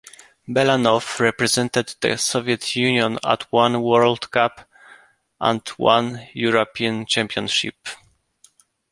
Belanov represented the Soviet Union at one World Cup and one European Championship.